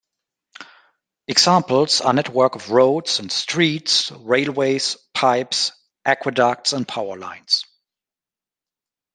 Examples are network of roads and streets, railways, pipes, aqueducts, and power lines.